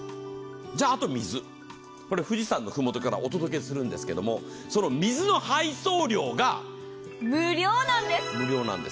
じゃ、あと水、富士山の麓からお届けするんですが、その水の配送料が無料なんです。